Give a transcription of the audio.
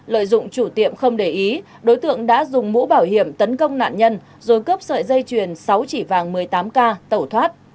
lợi dụng chủ tiệm không để ý đối tượng đã dùng mũ bảo hiểm tấn công nạn nhân rồi cướp sợi dây chuyền sáu chỉ vàng một mươi tám k tẩu thoát